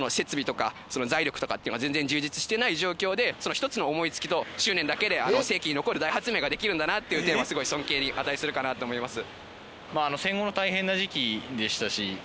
１つの思いつきと執念だけで世紀に残る大発明ができるんだなっていう点はすごい尊敬に値するかなと思います。